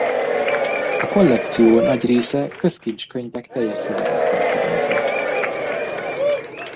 A kollekció nagy része közkincs könyvek teljes szövegét tartalmazza.